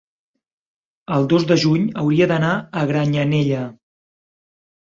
el dos de juny hauria d'anar a Granyanella.